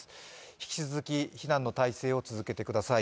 引き続き避難の態勢を続けてください。